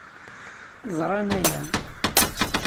Ẓran aya.